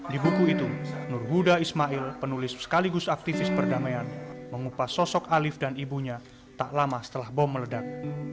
di buku itu nur huda ismail penulis sekaligus aktivis perdamaian mengupas sosok alif dan ibunya tak lama setelah bom meledak